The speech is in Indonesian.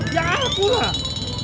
ya ampun lah